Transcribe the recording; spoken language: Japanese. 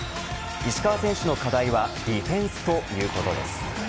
石川選手の課題はディフェンスということです。